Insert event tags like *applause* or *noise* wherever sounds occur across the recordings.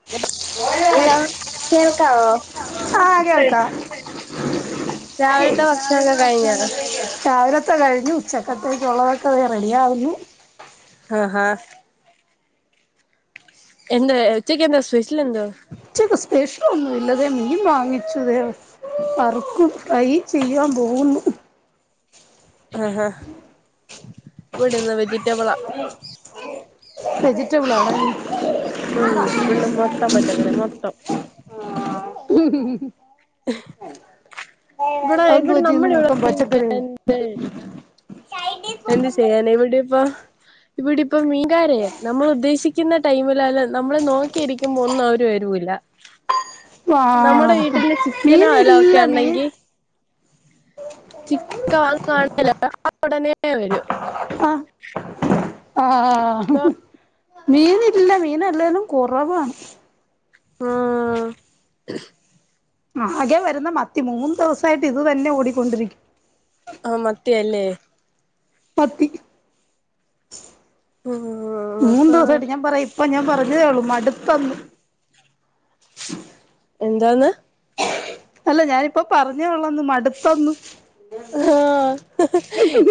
*unintelligible* കേൾക്കാവോ ഇച്ച് *unintelligible* രാവിലെ. *unintelligible* ത്തെ കഴിഞ്ഞു. ഉച്ചക്കത്തേക്ക്യുള്ളതൊക്കെ ദേ റെഡിയാവുന്നു ആഹ് ഹാ എന്തുവേ ഉച്ചക്ക്യെന്താ സ്പഷ്യലെന്തുവാ ഉച്ചക്ക്യ് സ്പെഷ്യലൊന്നുവില്ലാ ദേ മീൻ വാങ്ങിച്ചു ദേ വറുക്കും ഫ്രൈ ചെയ്യാൻ പോവുന്നു ആഹ് ഹാ ഇവടിന്ന് വെജിറ്റബ്ളാ വെജിറ്റബിളാണയ് ഉം *unintelligible* മൊത്തം പച്ചക്കറിയാ മൊത്തം ഉം ഉം ഉം ഉം ഉം ഇവടെ അതെന്ത് ഇവടെ പറ്റി ഇന്ന് നമ്മളവിടെ മൊത്തം പച്ചക്കറി *unintelligible* എന്ത് ചെയ്യാനെ ഇവടിപ്പം ഇവടിപ്പം മീങ്കാരെ ഞമ്മള് ഉദ്ദേശിക്കിന്ന ടൈമില്ലാല്ലും നമ്മള് നോക്കിയിരിക്കുമ്പോ ഒന്നും അവര് വരൂല്ലാ വാ ചിക്കനോ ഓയലോ മീനില്ല മീൻ ഓക്കെണ്ടെങ്കി ചിക്കൻ വാങ്ങാണേലൊ *unintelligible* ഉടനെ വരും ആഹ് ആഹ് മീനില്ല മീന് അല്ലേലും കുറവാണ് ആഹ് ആ ആകെ വരുന്ന മത്തി മൂന്ന് ദിവസായിട്ട് ഇത് തന്നെ ഓടിക്കൊണ്ടിരിക്കും ആഹ് മത്തി അല്ലേ മത്തി ആഹ് മൂന്ന് ആഹ് ദിവസായിട്ട് ഞാൻ പറയും അപ്പോ ഞാൻ പറഞ്ഞതേയുള്ളൂ മടുത്തെന്ന് എന്താന്ന് അല്ല ഞാനിപ്പൊ പറഞ്ഞേ ഒള്ളന്ന് മടുത്തെന്ന് ആഹ്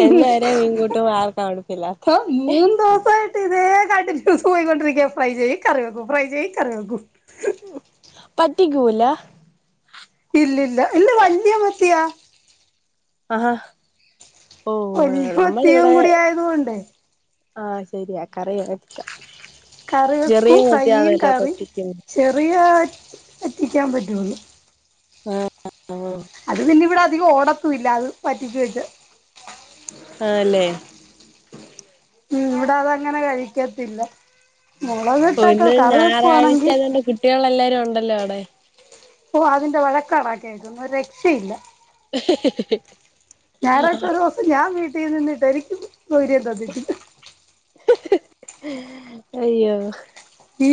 എന്നും ഒരേ മീൻ കൂട്ടുമ്പൊ ആർക്കാ മടുപ്പില്ലാത്തെ ആ മൂന്ന് ദിവസായിട്ട് ഇതേ കണ്ടിന്യൂസ് പോയിക്കൊണ്ടിരിക്കുവാ ഫ്രൈ ചെയ്യും കറി വെക്കും ഫ്രൈ ചെയ്യും കറി വെക്കും പറ്റിക്കൂല ഇല്ലില്ല ഇല്ല വല്ല്യ മത്തിയാ ആഹ് ഓ വല്യ മത്തിയും നമ്മളിവിടെ കൂടി ആയത് കൊണ്ടേ ആഹ് ശരിയാ കറി വക്കാം കറി ചെറിയ മത്തി ആണല്ലോ പറ്റിക്കുന്നേ ചെറിയെ വറ്റിക്കാൻ പറ്റൂള്ളൂ ആഹ് അത് പിന്നെ ഇവിടെ അധികം ഓടത്തും ഇല്ല അത് വറ്റിച്ച് വെച്ചാ ആണല്ലേ ഉം ഇവിടെ അതങ്ങനെ കഴിക്കത്തില്ല മുളക് ഇട്ടൊക്കെ കറി വെക്കുവാണെങ്കിൽ കുട്ടികളെല്ലാവരും ഉണ്ടല്ലോ അവിടെ ഓ അതിന്റെ വഴക്കാണാ കേക്കുന്നെ ഒരു രക്ഷയില്ല ഞായറാഴ്ച ഒരുദിവസം ഞാൻ വീട്ടീൽ നിന്നിട്ട് എനിക്കും സ്വൈര്യം തന്നിട്ടില്ല അയ്യോ *unintelligible*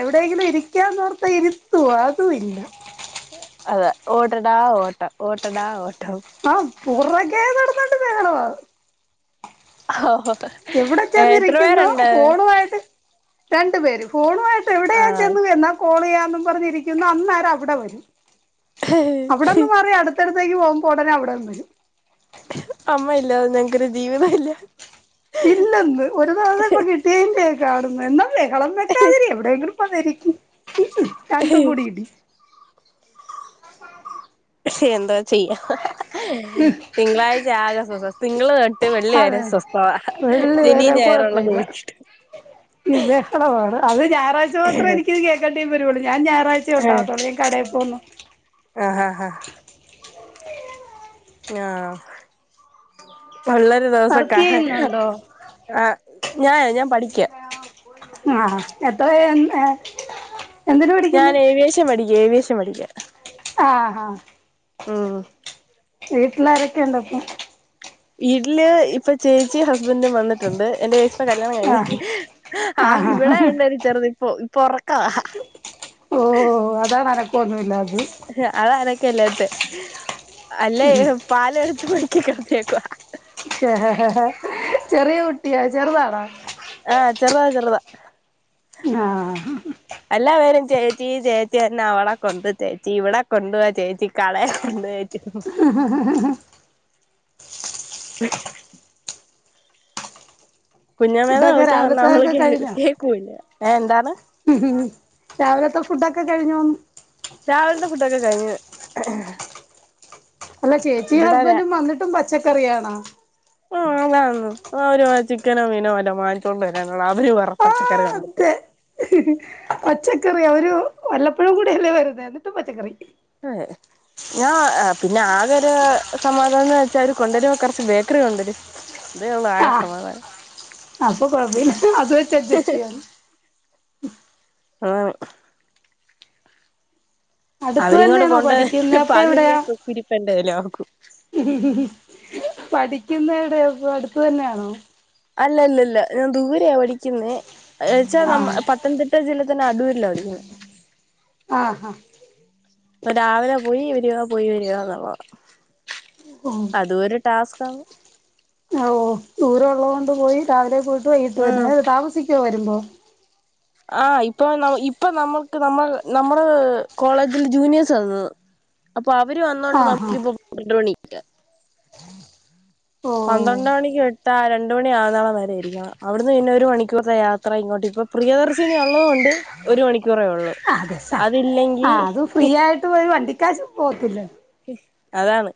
എവിടെയെങ്കിലും ഇരിക്കാന്നോർത്താ ഇരുത്തുവൊ അതും ഇല്ല അതെ ഓടടാ ഓട്ടം ഓടടാ ഓട്ടം ആഹ് പുറകെ നടന്നോണ്ട് ബഹളവാ ഓഹോ എവിടെ ചെന്നിരിക്കുന്നോ ഫോണുവായിട്ട് രണ്ടു പേരും ഫോണുവായിട്ട് എവിടെയാ ആഹ് ചെന്ന് നിന്നാ കോൾ ചെയ്യാന്നും പറഞ്ഞിരിക്കുന്നോ അന്നേരം അവിടെ വരും അവിടെന്ന് മാറി അടുത്തടുത്തേക്ക് പോകുമ്പോ ഉടനെ അവിടെയും വരും അമ്മ ഇല്ലാതെ ഞങ്ങക്കൊരു ജീവിതം ഇല്ല ഇല്ലെന്ന് ഒരു തവണ ഇപ്പൊ കിട്ടിയതിന്റെയാ കാണുന്നെ എന്നാ ബഹളം വെക്കാതിരി എവിടെയെങ്കിലും പോയൊന്ന് ഇരിക്ക്‌ രണ്ടും കൂടി ഇടി പക്ഷെ എന്താ ചെയ്യാ തിങ്കളാഴ്ച ആകെ സ്വസ് തിങ്കള് തൊട്ട് വെള്ളി വരെ അതെ സ്വസ്ഥവാ ശനിയും ഞായറുള്ളത് പോയി ഷ്ടി ഇവ്വെ അളവാണ് അത് ഞായറാഴ്ച മാത്രേ എനിക്കത് കേക്കണ്ടയും വരൂള്ളൂ ഞാൻ ഞായറാഴ്‌ചയേ ആഹ് ഉണ്ടാകത്തൊള്ളൂ ഞാൻ കടയിൽ പോവുന്നുണ്ട് ആഹ് ആഹ് ആഹ് ആഹ് ഒള്ളൊരു ദിവസവൊക്കെ വർക്ക് ആകെ ചെയ്യുന്നുണ്ടോ ആഹ് ഞാൻ ഞാൻ പഠിക്കയാ ആഹ് എത്രെ ഏ ഞാൻ ഏവിയേഷൻ പഠിക്കുവാ ഏവിയേഷൻ പഠിക്കുവാ ആഹ് ആഹ് ഉം വീട്ടിലാരൊക്കെ ഉണ്ട് അപ്പോ വീട്ടില് ഇപ്പൊ ചേച്ചീമ് ഹസ്ബന്റും വന്നിട്ടുണ്ട് എന്റെ ചേച്ചി ഇപ്പൊ കല്യാണം കഴിഞ്ഞ്. ആഹ് ആ ആഹ് ഇവിടെ ആഹ് ഉണ്ട് ഒരു ചെറുത് ഇപ്പൊ ഇപ്പൊ ഉറക്കവാ ഓ അതാനാണക്കോന്നുല്ലാത്തത് അതാ അനക്ക ല്ലാത്തെ അല്ലേ പാലോടുത്തൊറക്കി കെ ടത്തിയേ ക്കുവാ ചെറിയ കുട്ടിയ ചെറുതാണാ ആഹ് ചെറുതാ ചെറുതാ ആഹ് എല്ലാവരും ചേച്ചി ചേച്ചി എന്ന അവള കൊണ്ട് ചേച്ചി ഇവിടെ കൊണ്ട് വാ ചേച്ചി കളയ കൊണ്ട വച്ചിട്ട ആ ഹാ ഹാ ഹാ ഹാ അ കുഞ്ഞമ്മേന്ന് ഫുഡൊക്കെ വിളിക്കാൻ പറഞ്ഞാ അവള് രാവിലത്തെതൊക്കെ കേകേൾക്കൂല ഏ എന്താണ് ഉം രാവിലത്തെ ഫുഡൊക്കെ കഴിഞ്ഞോന്ന് രാവിലത്തെ ഫുഡൊക്കെ കഴിഞ്ഞ് അല്ല ചേച്ചി ഇവിടെ രാ ഹസ്ബന്റും വന്നിട്ടും പച്ചക്കറിയാണാ ആഹ് അതാന്ന് ഒരു ചിക്കനോ മീനോ വല്ലോം വാങ്ങിച്ചോണ്ട് വരാനുള്ള അവര് വെറും പച്ചക്കറി ആഹ് കൊണ്ടുതന്ന് അതെ പച്ചക്കറി അവര് വല്ലപ്പഴും കൂടെയല്ലേ വരുന്നെ എന്നിട്ടും പച്ചക്കറി ആഹ് ഞാൻ പിന്നെ ആകെ ഒരു സമാധാനം ന്ന് വെച്ചാ അവര് കൊണ്ടുവരുമ്പൊ കൊറച്ച് ബേക്കറി കൊണ്ടുരും ആ അപ്പൊ കൊഴപ്പില്ല അത് വെച്ച് അഡ്ജസ്റ്റ് ചെയ്യാലൊ ആഹ് അടുത്ത് അവരിങ്ങോട്ട് തന്നെയാണോ കൊണ്ട് പഠിക്കുന്നെ വരുമ്പോൾ അപ്പൊ പകുതിയെ കുരുപ്പന്റെല നോക്കും പഠിക്കുന്നാടെ അടുത്ത ന്നെയാണൊ അല്ലല്ല ല്ല ഞാൻ ദൂരെയ പഠിക്കുന്നെ ച്ചാ നമ്മ ആഹ് പത്തനംതിട്ട ജില്ലെ തന്നെ അടൂരില പഠിക്കുന്നെ ആഹാ അപ്പൊ രാവിലെ പോയി വരിക പോയി വരിക ന്നുള്ളതാ ഓഹ് അതും ഒരു ടാസ്ക് ആണ് ഓ ദൂരം ഉള്ളകൊണ്ട് പോയി രാവിലെ പോയിട്ട് വൈകിട്ട് വരണം ഉം ഏ താമസിക്കുവോ വരുമ്പൊ ആഹ് ഇപ്പൊ ഇപ്പ നമ്മക്ക് നമ്മൾ നമ്മള് കോളേജിൽ ജൂനിയേഴ്സ് ആ ന്ന് അപ്പൊ അവര് വന്നൊണ്ട് ആഹ് ആഹ് നമുക്കിപ്പൊണി *inaudible* ഓഹ് പന്ത്രണ്ടണിക്ക് വിട്ടാ ആ രണ്ട് രണ്ട് മണി ആകുവോളം വരെയിരിക്കണം അവിടുന്ന് പിന്നെ ഒരു മണിക്കൂർത്തെ യാത്ര ഇങ്ങോട്ട് ഇപ്പൊ പ്രിയദർശിനി ഒ ള്ളതുകൊണ്ട് ഒരു മണിക്കൂറെ ഉള്ള് അതെ സാ അതില്ലെങ്കി ആഹ് അത് ഫ്രീ ആയിട്ട് ഒരു വണ്ടിക്കാശ് പോകത്തില്ല അതാണ്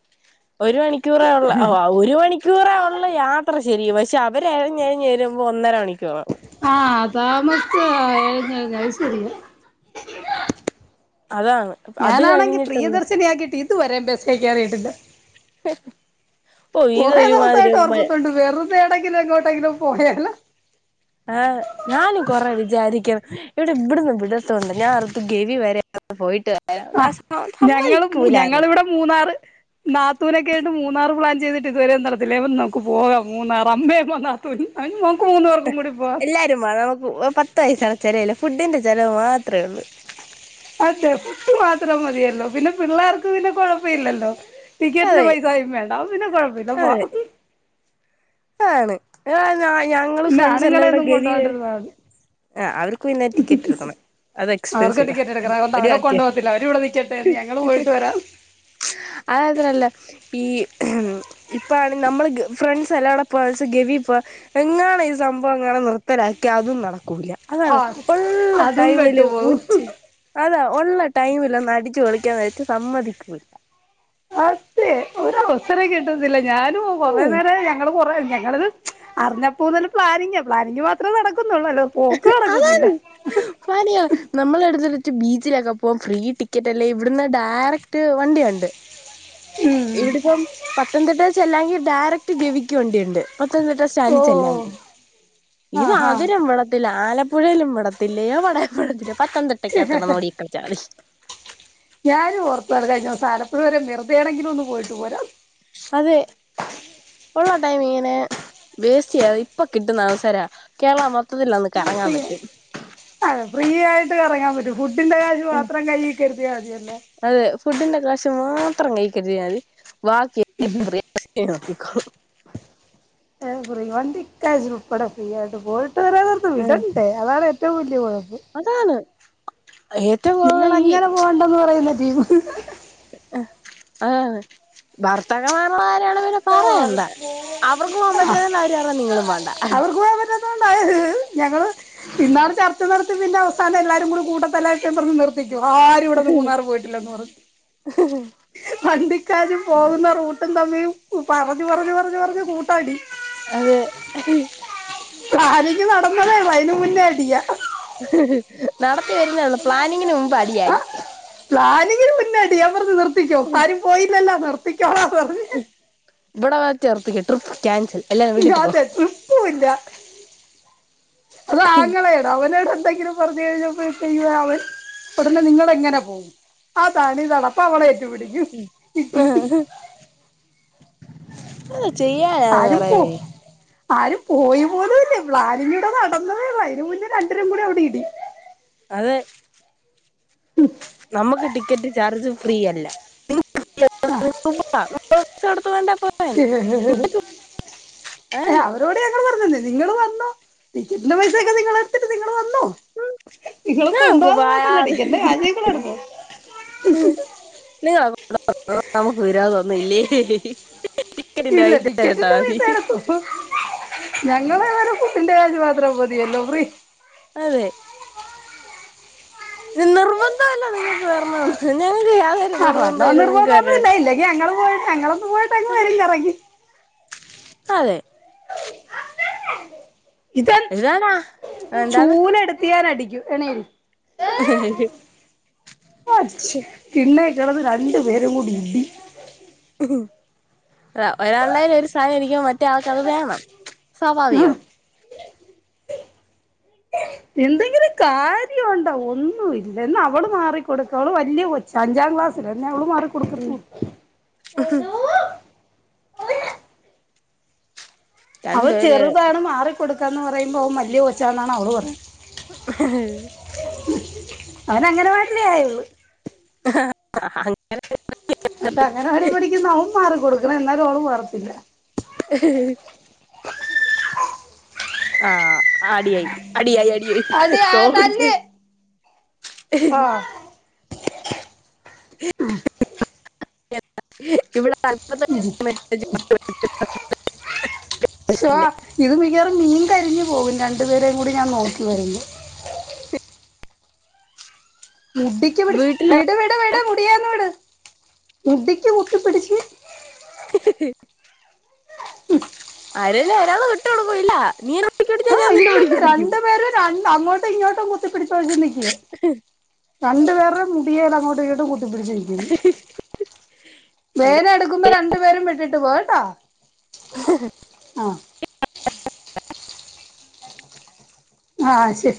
ഒരു മണിക്കൂറെള്ളൂ ഓ ഒരു മണി ക്കൂറെ ഉള്ളൂ യാത്ര ശരി പക്ഷെ അവരെഴഞ്ഞ്ഞ്ഞിഴഞ്ഞ് വ രുമ്പോൾ ഒന്നര മണിക്കൂറാവും ആഹ് താമസ്ച്ചിഴഞ്ഞിഴഞ്ഞാലും ശെരിയാ അതാണ് അത് കഴിഞ്ഞിട്ടുണ്ട് ഞാനാണെങ്കിപ്രിയദർശിനി ആക്കിയിട്ട് ഇത് വരെബസി കേറീട്ടില്ല ഓ കൊറേ ഇതൊരുമാതിരി ദെവസായിട്ട് ഓർക്കുന്നുണ്ട് വെറു ദേ ടെങ്കിലും എങ്ങോട്ടെങ്കിലും പോയാലോന്ന് ആഹ് ഞാനും കൊറെ വിചാരിക്കും ഇവ്ട്‌ന്ന് വിടാത്തോണ്ടാ ഞാൻ ഓർത്ത് ഗവി വരെ *unintelligible* പോയിട്ട് വരാം ആഹ് *unintelligible* സമ്മയ്ക്കൂലാ ന്നേ. മൂന്നാറ്. നാത്തൂനൊക്കെയായിട്ട് മൂന്നാറ് പ്ലാൻ ചെയ്തിട്ട് ഇതുവരേം നടന്നില്ല. ഇപ്പം നമ്ക്ക് പോകാം മൂന്നാർ അമ്മേം വന്നാ. അയ്ന് നമുക്ക് മൂന്ന് പേർക്കും കൂടിപോവാം. സത്യം പറഞ്ഞാൽ നമക്ക് പത്ത് പയസേടെ ചെലവില്ല ഫുഡിന്റെ ചെലവ് മാത്രേ ള്ള് അതെ ഫുഡ് മാത്രം മതിയല്ലോ പിന്നെ പിള്ളാർക്ക് പിന്നെ കൊഴപ്പയില്ലല്ലോ? ടിക്കറ്റ്ന് അതെ പൈസായും വേണ്ട അപ്പ പിന്നെ കൊഴപ്പല്ല പോവാം. ആതാണ് ഞ ഞ ഞങ്ങള് പിന്നെ ഫ്രണ്ട്സെല്ലാരൂടെ ആണുങ്ങളെയൊന്നും കൊണ്ടു ഗവി വരെ. പോവാണ്ടിരുന്നാ മതി ആഹ് അവർക്ക്‌ പിന്നെ ടിക്കറ്റേട്‌ക്കണം. അത് അവർക്ക് എക്സ്പെൻസീവാ ടിക്കറ്റ് എ എടുക്കണം അതുകൊണ്ട് എടി അവരെ കൊണ്ടു പോകത്തില്ല അവര് ഇവിടെ നിക്കട്ടെന്ന് ഞങ്ങള് പോയിട്ട് *unintelligible* വരാം അതാത്രല്ല ഈ ഇപ്പഴാണെ നമ്മള് ഗ ഫ്രണ്ട്സെല്ലാടെ ഇപ്പാശം ഗവി പ്പോ എങ്ങാണ് ഈ സംഭവങ്ങാനും നിർത്തലാക്കിയ അതും നട ക്കൂല അതാണ് ഹാ ഒള്ള അതും ടൈമില് പെട്ടുപോകും ഊറ്റ്അ. അല്ല ഒള്ള ടൈമിലൊന്ന് അടിച്ച്പൊളിക്കാന്ന് വെച്ച സമ്മതിക്കൂല്ല. അതെ ഒര് അവസരം കിട്ടത്തില്ല ഞാനും ഉം കൊറേനേരായി ഞങ്ങള് കൊറേ ഞങ്ങള്ത് അറ്ഞ്ഞപ്പോ മുതല് പ്ലാനിങ്ങാ പ്ലാനിങ്ങ് മാത്രമേ നടക്ക്‌ന്നൊള്ളൂ അല്ലാതെ പോക്ക് നടക്ക്‌ന്നില്ല. ഫാനിയൊ നമ്മളെടുത്തിട്ടച്ച് ബീച്ചിലൊക്കെ പോവം ഫ്രീ ടിക്കറ്റ് അല്ലേ ഇവ്ട്‌ന്ന് ഡാറക്റ്റ് വണ്ടിയൊണ്ട്. ഉം ഇവ്ടിപ്പം പത്തനംതിട്ടെ ചെല്ലാെവെങ്കി ഡയറക്ട് ഗവിക്ക്‌ വണ്ടിയൊണ്ട്. പത്തനംതിട്ട ഓ സ്റ്റാന്റിചെല്ലാങ്കി ഇത് ആഹ് ആഹ് അതിനും വിടത്തില്ല ആല പുഴെലും വിടത്തില്ല. എവ്ടെം വിടത്തില്ല. പത്തനതിട്ടക്കാത്ത് കെടന്ന് ഓടിക്കളിച്ചാമതി. ഞാനും ഓർത്തതാണ് കഴ്ഞ്ഞസം ആലപ്പുഴ വരെ വെറ്തെയാണെങ്കിലും ഒന്ന് പോയിട്ട് പോരാംന്ന്. അതെ ഒള്ള ടൈം ഇങ്ങനെ വേസ്റ്റ്ചെയ്യാതെ ഇപ്പ കിട്ടുന്ന അവസരാ കേരളം മൊത്തത്തിലൊന്ന് *unintelligible* അതെ ഫ്രീയായിട്ട് കറങ്ങാൻ പറ്റും ഫുണ്ടിന്റെ കാര്യ ന്റെ മാത്രം കയ്യി കരുതിയാ മതിയല്ലോ അതെ ഫുഡിന്റെകാശ് മാത്രം കൈ കരുതിയാമതി ബാക്കി എല്ലാം ഫ്രീ *unintelligible* നോക്കിക്കോളും എ ഫ്രീ വണ്ടിക്കാശ് ഉൾപ്പെടെ ഫ്രീ ആയിട്ട് പോയിട്ട് വരാൻ അവരോന്ന് വിടണ്ടെ അതാണ് ഏ എറ്റം വല്യ കൊഴപ്പം. അതാന്ന്. നിങ്ങളെങ്ങനെ പോകണ്ടന്ന് പറയുന്ന റ്റീമ് ആഹ് അതാണ് ഭർ ർത്താക്കമാര്ടെ കാര്യയാണെ പിന്നെ പറയണ്ട അവർക്ക് പോവാൻ പറ്റുവെലന്നാ അവര് പറയ്ന്നേ നിങ്ങളും പോണ്ട. ദാ ഒണ്ടായത് ഞങ്ങള് ഇന്നാള് ചർച്ച നടത്തി പിന്നെ അവസാനം എല്ലാരും കൂടി കൂട്ടത്തല്ലായ്ട്ട് പറഞ് നിർ ത്തിക്കു ആരും ഇവ്ട്‌ന്ന് മൂന്നാർ പോയിട്ടില്ലന്ന് പറ വണ്ടിക്കാശും പോക്ന്ന റൂട്ടും തമ്മി പറഞ്ഞു പറഞ്ഞു പറഞ്ഞു പറഞ്ഞു കൂ അതെ. പ്ലാനിങ് നടന്നതേഒള്ള് അയ്ന് മുന്നേ അടിയാ. നടത്തി വര്ന്നെ ഒള്ള് പ്ലാനിങ്ങിന് മുമ്പ് അടിയായി. പ്ലാനിങ്ങിന് മുന്നോഅടി ഞാൻ പറഞ്ഞു നിർത്തിക്കോ ആരും പോയില്ലല്ലോ നിർത്തിക്കോളാൻ പറഞ്ഞു. ഉം ഇബടെവെച്ച്ർത്തിക്കൊ ട്രിപ്പ് ക്യാൻസൽ. എല്ലാരും ഇഹ് വീട്ടിൽ പൊക്കോ അതെ ട്രിപ്പും വില്ല അതാങ്ങളേടെ അവനോടെന്തെങ്കിലും. പറഞ് കഴിഞപ്പഴ്തേക്കും അവൻ ഒടനെ നിങ്ങള് എങ്ങനെ പോവും അതാണ് തലപ്പവളെറ്റ് പിടിക്കും കിട്ടി കി അത് ചെയ്യാ ആരും പൂ ആരും പോയിപോലും ഇല്ലേ പ്ലാനിങ്ങ് ഇവ്ടെ നടന്നതേള്ള് അയ്ന് മുന്നേ രണ്ട് രും കൂടി അവ്ടെ ഇടി. അതെ ഉം നമ്മ്ക്ക് ടിക്കറ്റ് ചാർജ് ഫ്രീയല്ല ടു അഹ് *unintelligible* ച്ച് നട *unintelligible* ണ്ടെ പ അതാണ് അവരോട് ഞങ്ങൾ പറഞ്ഞന്നേ നിങ്ങള് വ ന്നോ ടിക്കറ്റിന്റെ പൈസക്കെ നിങ്ങളെടുത്തിട്ട് നിങ്ങൾ വന്നോ നിങ്ങളെ നമുക്ക് കൊണ്ട്പോവാതെ പോയാ പോകത്തില്ല ടിക്കറ്റിന്റെ കാശ് നിങ്ങളെടുത്തോ നി നമുക്ക് *unintelligible* നമുക്ക് വരാതന്ന നില്ലേ ടിക്കടിന്റെ ഇല്ല പൈസ ടിക്കറ്റിന്റെ എടുത്താൽമതി പൈസ എടുത്തു ഞങ്ങള് ഇവരെ കുട്ടിന്റെ കാശ് മാത്രം മതിയല്ലോ ഫീ അതെ നിർബന്ധല്ല നിങ്ങൾക്ക് വേരണോന്ന് ഞങ്ങക് യാതൊ ആ വല്ലോന്ന നിർബന്ധമൊന്നുല്ല ഇല്ലെങ്കി ങ്ങങ്ങള് പോ ഞങ്ങളും അതെ ഇതൻ ഇതാണാ എന്താണ് ചൂല് എടുത്ത് ത്ത് ഞാനടിക്കു എണിര് തിണ്ണെകിടന്ന് രണ്ട് പരും കൂടി ഇടി ഉഉം ഒരാളുടെല് ഒരു സാനംരിക്കു മ്പോ മറ്റേ ആൾക്കത് വേണം ആ സ്വാഭാവികം എന്തെങ്കിലും കാര്യണ്ടോ ഒന്നുല്ല അവള് മാറിക്കൊടുക്ക അവള് വലിയ കെ ച്ച അഞ്ചാം ക്ലാസലാ അവള് മാറി ഉം അവൾ രണ്ടുപേര് ചെറുതാണ് മാറി കൊടുക്കാൻ പറയുമ്പോ അവൻ വല്ല കൊച്ചന്നാണ് അവള് പറയണെ ഉ അവൻ അംഗൻവാടിലേ ആയുള്ള ആഹ *unintelligible* എന്താ അംഗൻവാടി പഠിക്കുന്ന അവൻ മാറി കൊടുക്കണം എന്നാല്ലും അവൾ മാറത്തില്ല ഏ ആഹ് അടിയായി അടിയായി അടിയായി അടി ആ സോപിടിച്ച് തല്ല് ആഹ് ഇവിടെ *inaudible* ശോ ഇത് മികവാറും മീൻ കരിഞ്ഞഞ് പോകും രണ്ടു പേരേയും കൂടി ഞാൻ നോക്കി വരുപ്പൊ മുഡിക്ക് പിടി വീട്ടില് വിട് വിട വിട മുടിയന്ന് വിട് മുഡിക്ക് മുടിക്ക് കുതിപ്പിടിച്ച് *unintelligible* ഉം ആരേലും ഒരാള വിട്ട് കൊടുകൊ ല്ല നീ പൊക്കി പിടിച്ചാ ആ ഞാൻ നിന്നെ ഇന്നെ പൊക്കി പിടിക്കും രണ്ടു പേരും രണ്ട് അങ്ങോട്ടും ഇങ്ങോട്ടും കുത്തിപ്പിടിച്ചോച്ച നീക്കേ രണ്ടു പേരെ മുടേൽ അങ്ങോട്ട് ഇട്ട് കൂട്ടിപ്പിടിച്ചിരിക്കുന്നു വേന എടുക്കുമ്പോ രണ്ടു പേരും വിട്ടിട്ട് പോയട്ടോ *inaudible* ആഹ് ശരി